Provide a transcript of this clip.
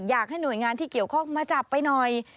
อยากให้หน่วยงานที่เกี่ยวข้องมาจับไปหน่อย